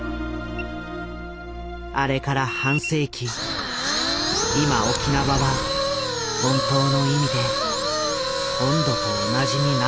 あれから半世紀今沖縄は本当の意味で本土と同じになったのだろうか。